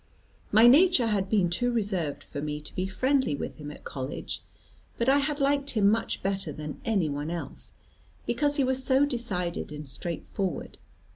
My nature had been too reserved for me to be friendly with him at College, but I had liked him much better than any one else, because he was so decided and straight forward.